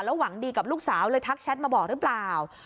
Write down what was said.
หวังดีกับลูกสาวเลยทักแชทมาบอกหรือเปล่า